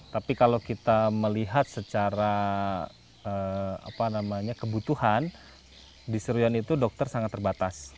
tapi kalau kita melihat secara kebutuhan di serion itu dokter sangat terbatas